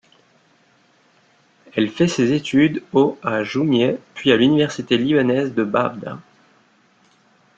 Elle fait ses études au à Jounieh, puis à l'université libanaise de Baabda.